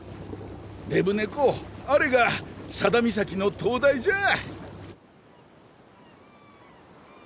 デブ猫あれが佐田岬の灯台じゃ！